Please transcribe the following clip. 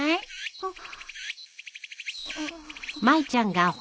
あっ。